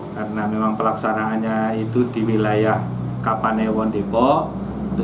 karena memang pelaksanaannya itu di wilayah kapanewon depok